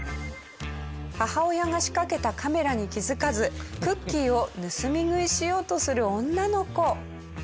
母親が仕掛けたカメラに気づかずクッキーを盗み食いしようとする女の子。